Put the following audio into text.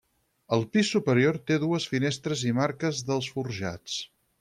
Al pis superior té dues finestres i marques dels forjats.